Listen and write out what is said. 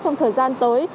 trong thời gian tới